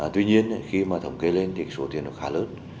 tuy nhiên khi mà thống kê lên thì số tiền nó khá lớn